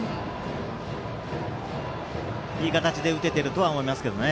いい形で打てているとは思いますが。